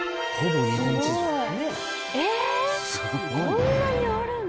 こんなにあるの？